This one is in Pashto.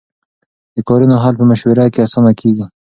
د کارونو حل په مشوره کې اسانه کېږي.